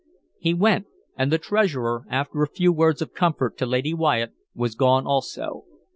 He went, and the Treasurer, after a few words of comfort to Lady Wyatt, was gone also.